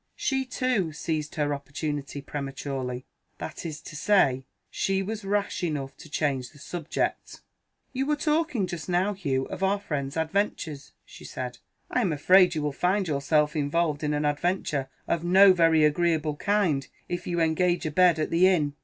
She, too, seized her opportunity prematurely. That is to say, she was rash enough to change the subject. "You were talking just now, Hugh, of our friend's adventures," she said; "I am afraid you will find yourself involved in an adventure of no very agreeable kind, if you engage a bed at the inn.